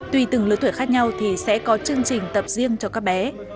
tùy từng lứa tuổi khác nhau thì sẽ có chương trình tập riêng cho các bé